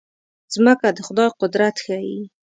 مځکه د خدای قدرت ښيي.